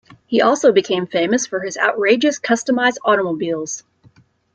He also became famous for his outrageous customized automobiles.